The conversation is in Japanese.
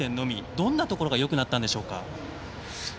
どんなところがよくなったんでしょうか？